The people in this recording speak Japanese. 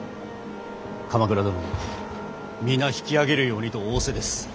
鎌倉殿も皆引き揚げるようにと仰せです。